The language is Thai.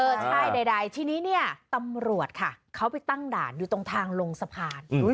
ใช่ใดทีนี้เนี่ยตำรวจค่ะเขาไปตั้งด่านอยู่ตรงทางลงสะพาน